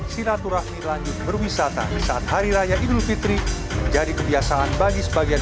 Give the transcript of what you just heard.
silaturahmi lanjut berwisata saat hari raya idul fitri menjadi kebiasaan bagi sebagian